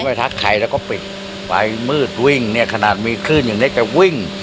ทักใครแล้วก็ปิดไฟมืดวิ่งเนี่ยขนาดมีคลื่นอย่างเนี้ยแกวิ่ง